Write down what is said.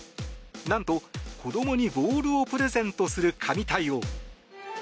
なんと子どもにボールをプレゼントする神対応。